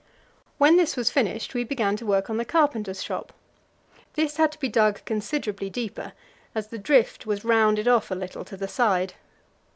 When this was finished, we began to work on the carpenter's shop. This had to be dug considerably deeper, as the drift was rounded off a little to the side.